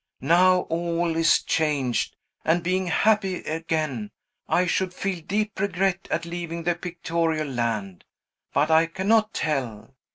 Now, all is changed, and, being happy again, I should feel deep regret at leaving the Pictorial Land. But I cannot tell.